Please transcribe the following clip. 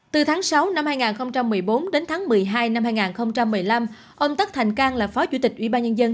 từ tháng sáu năm hai nghìn một mươi bốn đến tháng một mươi hai năm hai nghìn một mươi năm ông tất thành cang là phó chủ tịch ủy ban nhân dân